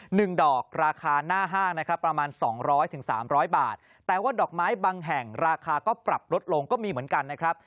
หนึ่งดอกราคาหน้าห้างนะครับประมาณสองร้อยถึงสามร้อยบาทแต่ว่าดอกไม้บางแห่งราคาก็ปรับลดลงก็มีเหมือนกันนะครับ